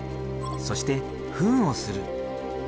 そして糞をする。